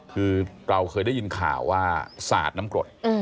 คือเราเคยได้ยินข่าวว่าสาดน้ำกรด